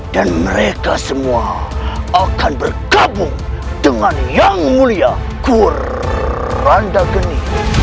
dan mereka semua akan bergabung dengan yang mulia kurandageni